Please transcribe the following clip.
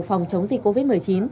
phòng chống dịch covid một mươi chín